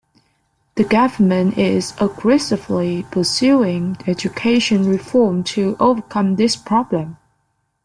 The government is aggressively pursuing education reform to overcome this problem.